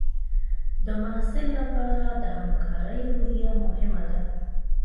د محصل لپاره د همکارۍ روحیه مهمه ده.